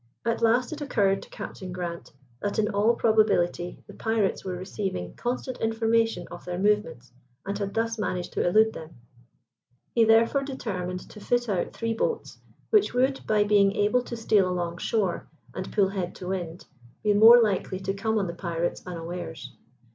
At last it occurred to Captain Grant that in all probability the pirates were receiving constant information of their movements, and had thus managed to elude them. He therefore determined to fit out three boats, which would, by being able to steal along shore, and pull head to wind, be more likely to come on the pirates unawares.